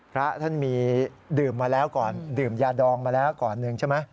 พระท่านมีดื่มมาแล้วก่อนดื่มยาดองมาแล้วก่อนหนึ่งใช่ไหม